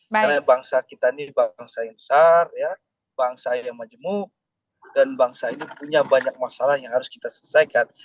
karena bangsa kita ini bangsa yang besar ya bangsa yang majemuk dan bangsa ini punya banyak masalah yang harus kita selesaikan